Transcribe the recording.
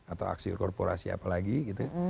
atau aksi korporasi apalagi gitu